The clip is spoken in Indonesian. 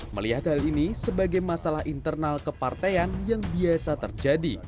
melihat hal ini sebagai masalah internal kepartean yang biasa terjadi